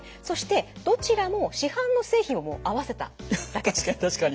そしてどちらも市販の製品を合わせただけです。